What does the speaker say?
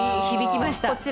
響きました。